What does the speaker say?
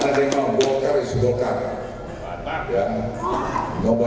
soal isu bapak masuk golkar ada tanggapan